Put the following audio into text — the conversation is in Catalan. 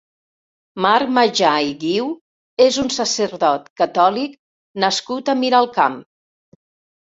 Marc Majà i Guiu és un sacerdot catòlic nascut a Miralcamp.